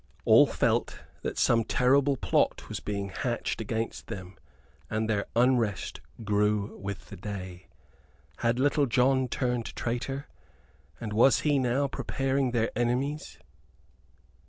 All felt that some terrible plot was being hatched against them, and their unrest grew with the day. Had Little John turned traitor? And was he now preparing their enemies?